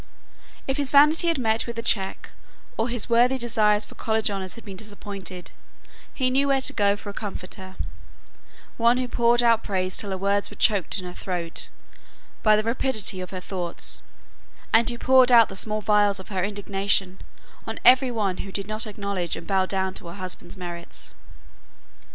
If his vanity had met with a check, or his worthy desires for college honours had been disappointed, he knew where to go for a comforter; one who poured out praise till her words were choked in her throat by the rapidity of her thoughts, and who poured out the small vials of her indignation on every one who did not acknowledge and bow down to her husband's merits.